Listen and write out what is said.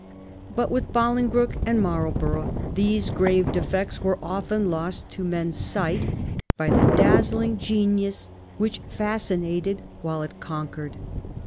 But with Boling broke and Marlborough these grave defects were often lost to men's sight by the dazzling genius which fas cinated while it conquered.